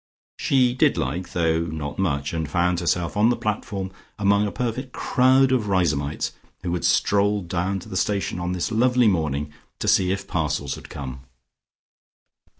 She did like, though not much, and found herself on the platform among a perfect crowd of Riseholmites who had strolled down to the station on this lovely morning to see if parcels had come.